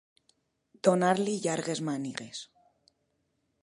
Donar-li llargues mànigues.